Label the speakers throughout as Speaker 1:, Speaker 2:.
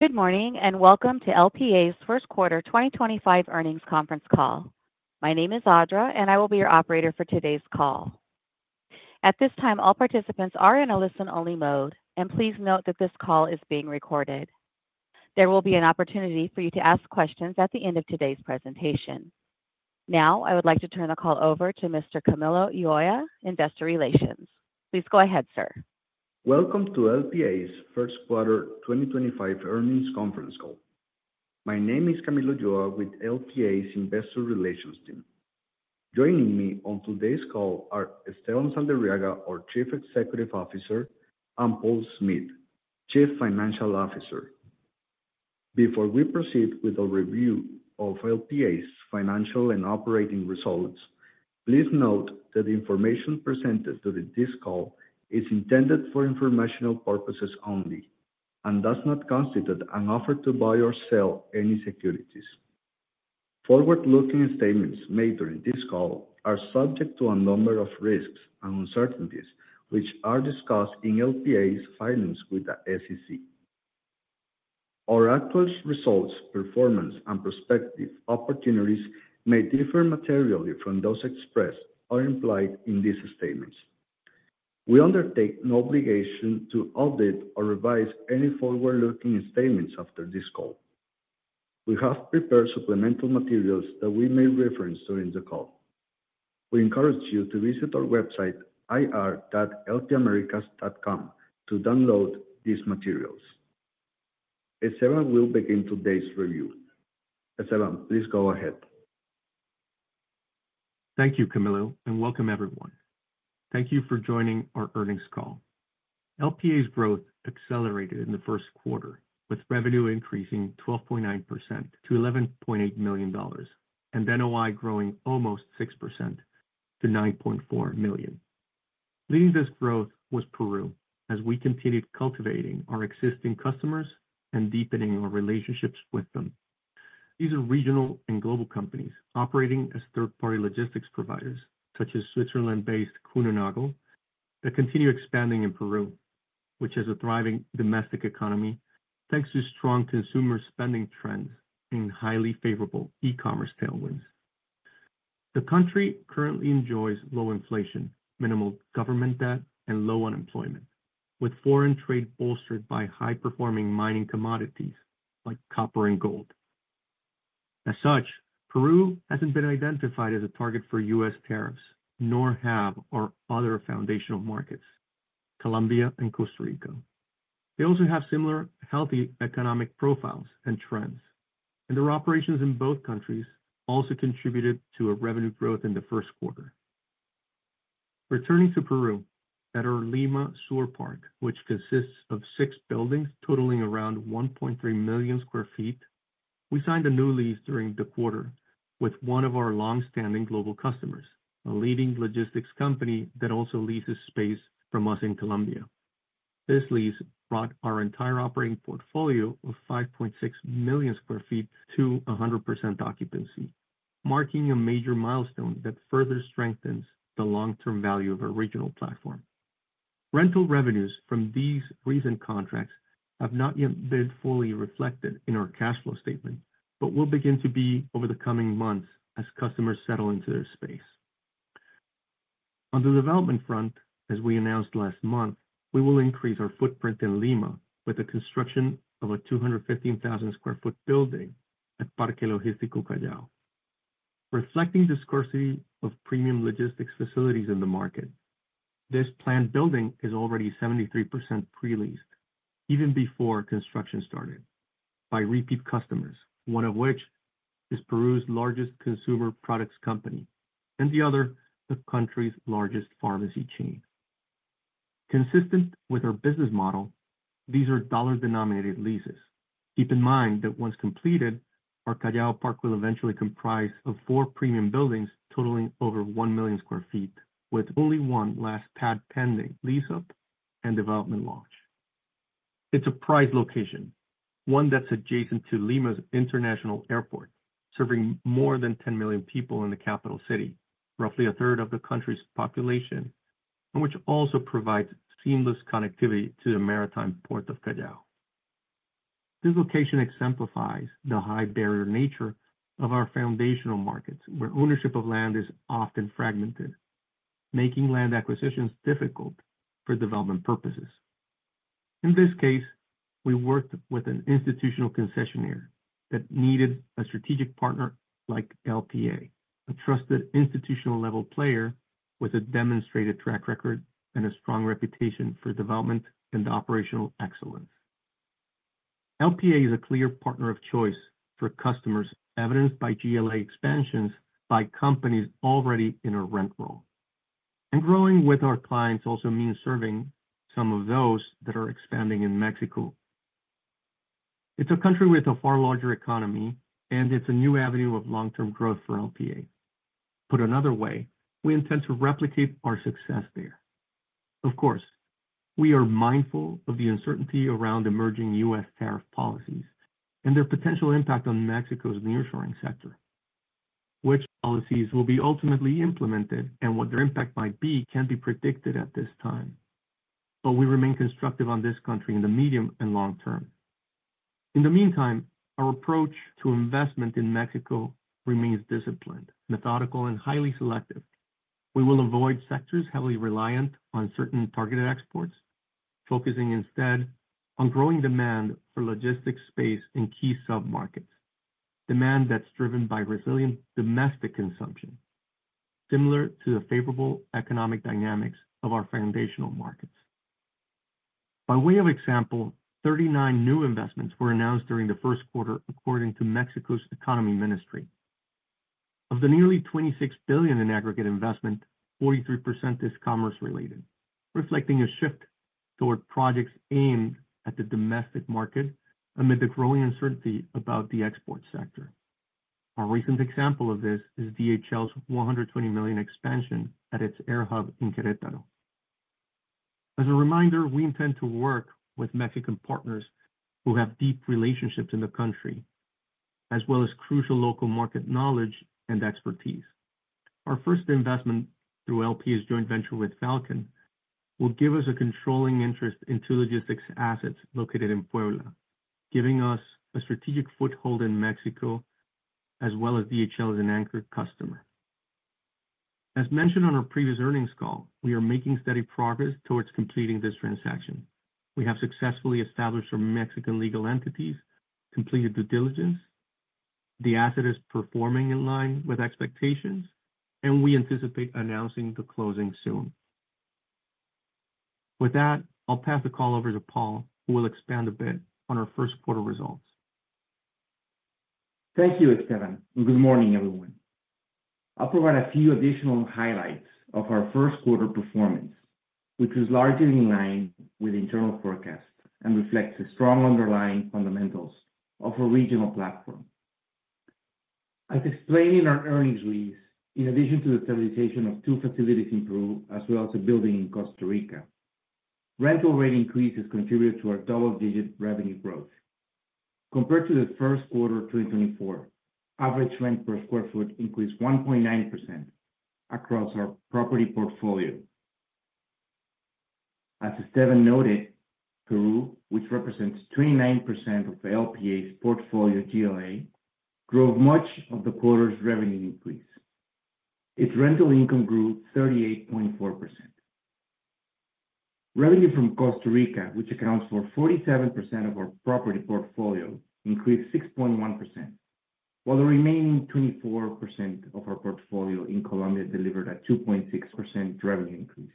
Speaker 1: Good morning and welcome to LPA's First Quarter 2025 Earnings Conference Call. My name is Audra, and I will be your operator for today's call. At this time, all participants are in a listen-only mode, and please note that this call is being recorded. There will be an opportunity for you to ask questions at the end of today's presentation. Now, I would like to turn the call over to Mr. Camilo Ulloa, Investor Relations. Please go ahead, sir.
Speaker 2: Welcome to LPA's First Quarter 2025 Earnings Conference Call. My name is Camilo Ulloa with LPA's Investor Relations team. Joining me on today's call are Esteban Saldarriaga, our Chief Executive Officer, and Paul Smith, Chief Financial Officer. Before we proceed with our review of LPA's financial and operating results, please note that the information presented during this call is intended for informational purposes only and does not constitute an offer to buy or sell any securities. Forward-looking statements made during this call are subject to a number of risks and uncertainties, which are discussed in LPA's filings with the SEC. Our actual results, performance, and prospective opportunities may differ materially from those expressed or implied in these statements. We undertake no obligation to audit or revise any forward-looking statements after this call. We have prepared supplemental materials that we may reference during the call. We encourage you to visit our website, ir-lpamericas.com, to download these materials. Esteban will begin today's review. Esteban, please go ahead.
Speaker 3: Thank you, Camilo, and welcome everyone. Thank you for joining our earnings call. LPA's growth accelerated in the first quarter, with revenue increasing 12.9% to $11.8 million and NOI growing almost 6% to $9.4 million. Leading this growth was Peru, as we continued cultivating our existing customers and deepening our relationships with them. These are regional and global companies operating as third-party logistics providers, such as Switzerland-based Kuehne+Nagel. They continue expanding in Peru, which has a thriving domestic economy thanks to strong consumer spending trends and highly favorable e-commerce tailwinds. The country currently enjoys low inflation, minimal government debt, and low unemployment, with foreign trade bolstered by high-performing mining commodities like copper and gold. As such, Peru has not been identified as a target for U.S. tariffs, nor have our other foundational markets, Colombia and Costa Rica. They also have similar healthy economic profiles and trends, and their operations in both countries also contributed to revenue growth in the first quarter. Returning to Peru, at our Lima Sewer Park, which consists of six buildings totaling around 1.3 million sq ft, we signed a new lease during the quarter with one of our long-standing global customers, a leading logistics company that also leases space from us in Colombia. This lease brought our entire operating portfolio of 5.6 million sq ft to 100% occupancy, marking a major milestone that further strengthens the long-term value of our regional platform. Rental revenues from these recent contracts have not yet been fully reflected in our cash flow statement, but will begin to be over the coming months as customers settle into their space. On the development front, as we announced last month, we will increase our footprint in Lima with the construction of a 215,000 sq ft building at Parque Logístico Callao. Reflecting the scarcity of premium logistics facilities in the market, this planned building is already 73% pre-leased, even before construction started, by repeat customers, one of which is Peru's largest consumer products company and the other the country's largest pharmacy chain. Consistent with our business model, these are dollar-denominated leases. Keep in mind that once completed, our Callao Park will eventually comprise four premium buildings totaling over 1 million sq ft, with only one last pad pending lease-up and development launch. It's a prized location, one that's adjacent to Lima's international airport, serving more than 10 million people in the capital city, roughly a third of the country's population, and which also provides seamless connectivity to the maritime port of Callao. This location exemplifies the high-barrier nature of our foundational markets, where ownership of land is often fragmented, making land acquisitions difficult for development purposes. In this case, we worked with an institutional concessionaire that needed a strategic partner like LPA, a trusted institutional-level player with a demonstrated track record and a strong reputation for development and operational excellence. LPA is a clear partner of choice for customers, evidenced by GLA expansions by companies already in a rent roll. Growing with our clients also means serving some of those that are expanding in Mexico. It is a country with a far larger economy, and it is a new avenue of long-term growth for LPA. Put another way, we intend to replicate our success there. Of course, we are mindful of the uncertainty around emerging U.S. tariff policies and their potential impact on Mexico's nearshoring sector. Which policies will be ultimately implemented and what their impact might be cannot be predicted at this time, but we remain constructive on this country in the medium and long term. In the meantime, our approach to investment in Mexico remains disciplined, methodical, and highly selective. We will avoid sectors heavily reliant on certain targeted exports, focusing instead on growing demand for logistics space in key sub-markets, demand that is driven by resilient domestic consumption, similar to the favorable economic dynamics of our foundational markets. By way of example, 39 new investments were announced during the first quarter, according to Mexico's Economy Ministry. Of the nearly $26 billion in aggregate investment, 43% is commerce-related, reflecting a shift toward projects aimed at the domestic market amid the growing uncertainty about the export sector. A recent example of this is DHL's $120 million expansion at its air hub in Querétaro. As a reminder, we intend to work with Mexican partners who have deep relationships in the country, as well as crucial local market knowledge and expertise. Our first investment through LPA's joint venture with Falcon will give us a controlling interest in two logistics assets located in Puebla, giving us a strategic foothold in Mexico, as well as DHL as an anchor customer. As mentioned on our previous earnings call, we are making steady progress towards completing this transaction. We have successfully established our Mexican legal entities, completed due diligence, the asset is performing in line with expectations, and we anticipate announcing the closing soon. With that, I'll pass the call over to Paul, who will expand a bit on our first quarter results.
Speaker 4: Thank you, Esteban. Good morning, everyone. I'll provide a few additional highlights of our first quarter performance, which is largely in line with internal forecasts and reflects the strong underlying fundamentals of our regional platform. As explained in our earnings release, in addition to the stabilization of two facilities in Peru, as well as a building in Costa Rica, rental rate increases contributed to our double-digit revenue growth. Compared to the first quarter of 2024, average rent per sq ft increased 1.9% across our property portfolio. As Esteban noted, Peru, which represents 29% of LPA's portfolio GLA, drove much of the quarter's revenue increase. Its rental income grew 38.4%. Revenue from Costa Rica, which accounts for 47% of our property portfolio, increased 6.1%, while the remaining 24% of our portfolio in Colombia delivered a 2.6% revenue increase.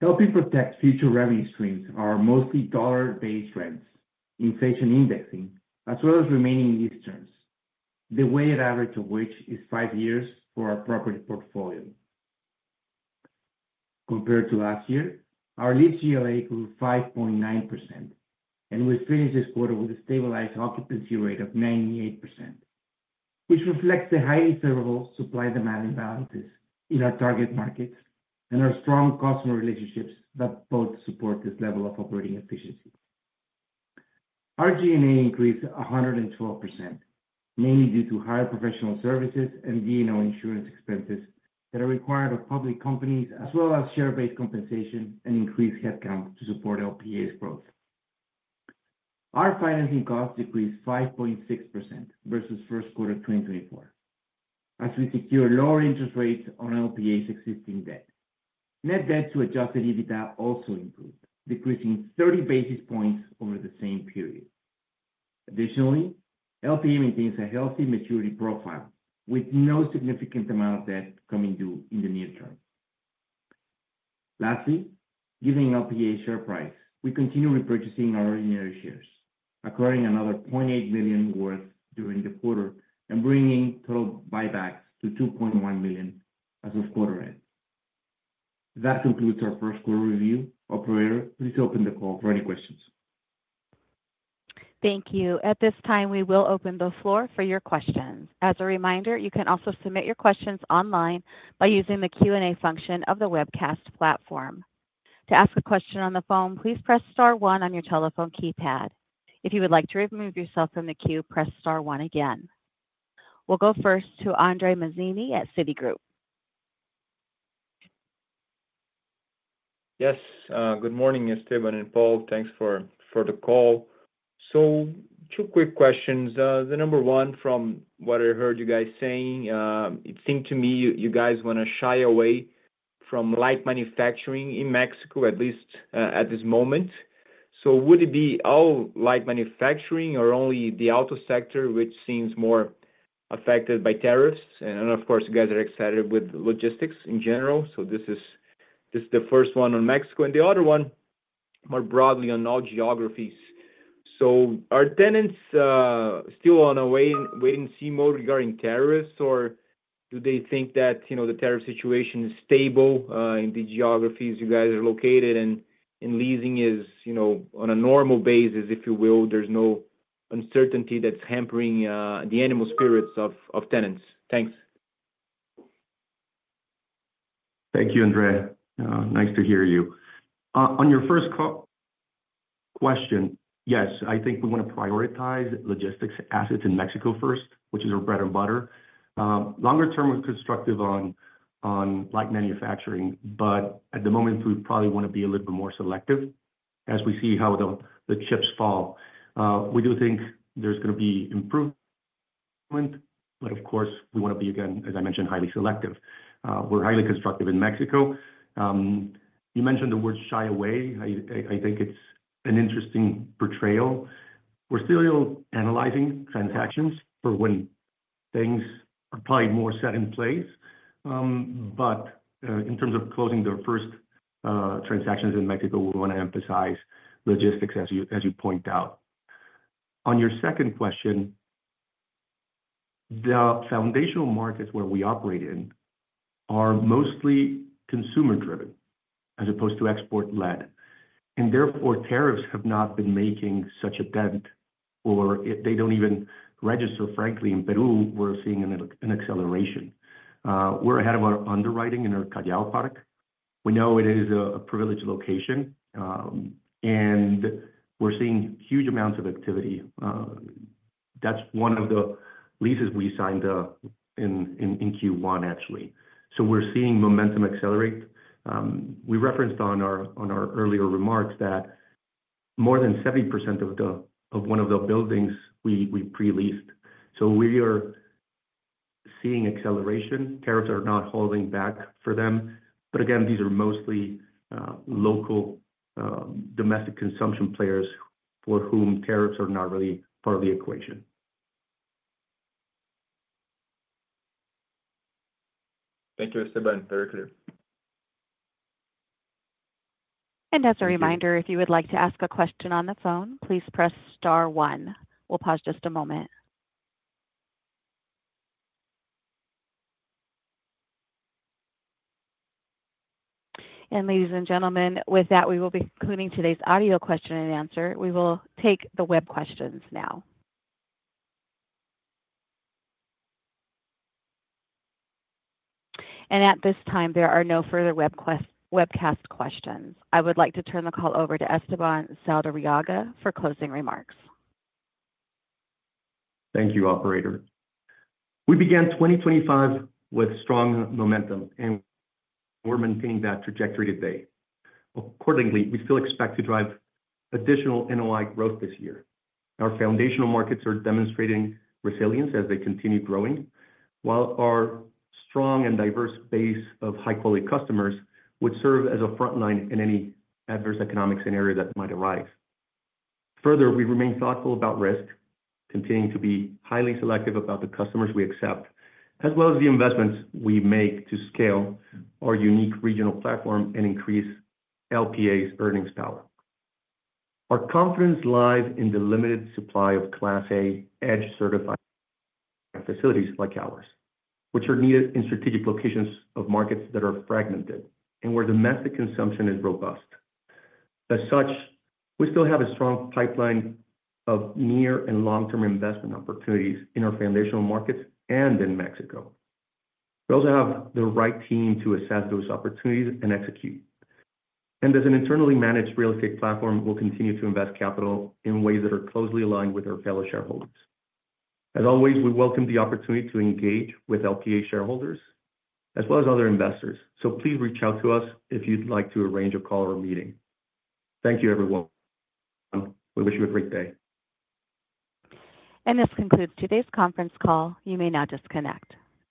Speaker 4: Helping protect future revenue streams are mostly dollar-based rents, inflation indexing, as well as remaining lease terms, the way an average of which is five years for our property portfolio. Compared to last year, our lease GLA grew 5.9%, and we finished this quarter with a stabilized occupancy rate of 98%, which reflects the highly favorable supply-demand imbalances in our target markets and our strong customer relationships that both support this level of operating efficiency. Our G&A increased 112%, mainly due to higher professional services and D&O insurance expenses that are required of public companies, as well as share-based compensation and increased headcount to support LPA's growth. Our financing costs decreased 5.6% versus first quarter 2024, as we secured lower interest rates on LPA's existing debt. Net debt to adjusted EBITDA also improved, decreasing 30 basis points over the same period. Additionally, LPA maintains a healthy maturity profile with no significant amount of debt coming due in the near term. Lastly, given LPA's share price, we continue repurchasing our ordinary shares, acquiring another $0.8 million worth during the quarter and bringing total buybacks to $2.1 million as of quarter end. That concludes our first quarter review. Operator, please open the call for any questions.
Speaker 1: Thank you. At this time, we will open the floor for your questions. As a reminder, you can also submit your questions online by using the Q&A function of the webcast platform. To ask a question on the phone, please press star one on your telephone keypad. If you would like to remove yourself from the queue, press star one again. We'll go first to Andre Mazini at Citigroup.
Speaker 5: Yes. Good morning, Esteban and Paul. Thanks for the call. Two quick questions. Number one, from what I heard you guys saying, it seemed to me you guys want to shy away from light manufacturing in Mexico, at least at this moment. Would it be all light manufacturing or only the auto sector, which seems more affected by tariffs? Of course, you guys are excited with logistics in general. This is the first one on Mexico. The other one, more broadly on all geographies. Are tenants still on a wait-and-see mode regarding tariffs, or do they think that the tariff situation is stable in the geographies you guys are located and leasing is on a normal basis, if you will? There is no uncertainty that is hampering the animal spirits of tenants. Thanks.
Speaker 3: Thank you, Andre. Nice to hear you. On your first question, yes, I think we want to prioritize logistics assets in Mexico first, which is our bread and butter. Longer term was constructive on light manufacturing, but at the moment, we probably want to be a little bit more selective as we see how the chips fall. We do think there's going to be improvement, but of course, we want to be, again, as I mentioned, highly selective. We're highly constructive in Mexico. You mentioned the word shy away. I think it's an interesting portrayal. We're still analyzing transactions for when things are probably more set in place. In terms of closing their first transactions in Mexico, we want to emphasize logistics, as you point out. On your second question, the foundational markets where we operate in are mostly consumer-driven as opposed to export-led. Therefore, tariffs have not been making such a dent or they do not even register, frankly. In Peru, we are seeing an acceleration. We are ahead of our underwriting in our Callao Park. We know it is a privileged location, and we are seeing huge amounts of activity. That is one of the leases we signed in Q1, actually. We are seeing momentum accelerate. We referenced in our earlier remarks that more than 70% of one of the buildings we pre-leased. We are seeing acceleration. Tariffs are not holding back for them. Again, these are mostly local domestic consumption players for whom tariffs are not really part of the equation.
Speaker 5: Thank you, Esteban. Very clear.
Speaker 1: As a reminder, if you would like to ask a question on the phone, please press star one. We'll pause just a moment. Ladies and gentlemen, with that, we will be concluding today's audio question and answer. We will take the web questions now. At this time, there are no further webcast questions. I would like to turn the call over to Esteban Saldarriaga for closing remarks.
Speaker 3: Thank you, Operator. We began 2025 with strong momentum, and we're maintaining that trajectory today. Accordingly, we still expect to drive additional NOI growth this year. Our foundational markets are demonstrating resilience as they continue growing, while our strong and diverse base of high-quality customers would serve as a frontline in any adverse economic scenario that might arise. Further, we remain thoughtful about risk, continuing to be highly selective about the customers we accept, as well as the investments we make to scale our unique regional platform and increase LPA's earnings power. Our confidence lies in the limited supply of Class A EDGE-certified facilities like ours, which are needed in strategic locations of markets that are fragmented and where domestic consumption is robust. As such, we still have a strong pipeline of near and long-term investment opportunities in our foundational markets and in Mexico. We also have the right team to assess those opportunities and execute. As an internally managed real estate platform, we'll continue to invest capital in ways that are closely aligned with our fellow shareholders. As always, we welcome the opportunity to engage with LPA shareholders as well as other investors. Please reach out to us if you'd like to arrange a call or a meeting. Thank you, everyone. We wish you a great day.
Speaker 1: This concludes today's conference call. You may now disconnect.